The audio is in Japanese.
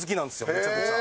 めちゃくちゃ。